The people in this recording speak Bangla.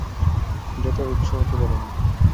ডেটার উৎস হতে পারে অনেক।